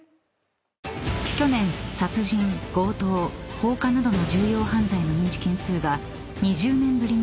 ［去年殺人強盗放火などの重要犯罪の認知件数が］